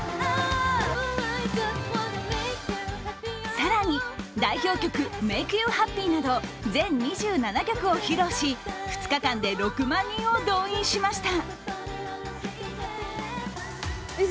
更に代表曲「Ｍａｋｅｙｏｕｈａｐｐｙ」など全２７曲を披露し２日間で６万人を動員しました。